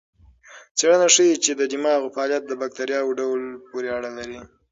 څېړنه ښيي چې د دماغ فعالیت د بکتریاوو ډول پورې اړه لري.